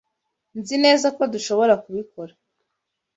Nzi neza ko dushobora kubikora.